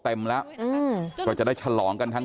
เพื่อนบ้านเจ้าหน้าที่อำรวจกู้ภัย